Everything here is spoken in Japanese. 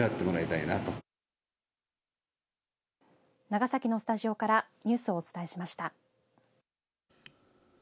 長崎のスタジオからニュースをお伝えしました。